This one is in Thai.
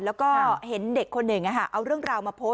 แล้วก็เห็นเด็กคนหนึ่งเอาเรื่องราวมาโพสต์